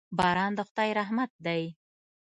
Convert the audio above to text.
باران د خدای رحمت دی.